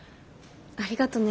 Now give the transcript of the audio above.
ありがとね。